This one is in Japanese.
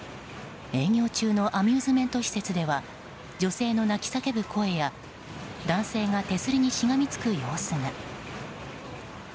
営業中のアミューズメント施設では女性の泣き叫ぶ声や男性が手すりにしがみつく様子が。